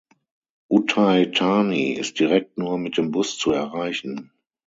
Uthai Thani ist direkt nur mit dem Bus zu erreichen.